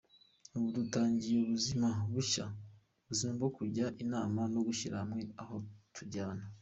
Ubu dutangiye ubuzima bushya, ubuzima bwo kujya inama no gushyira hamwe aho kuryana".